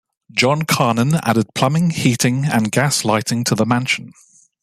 John Carnan added plumbing, heating, and gas lighting to the mansion.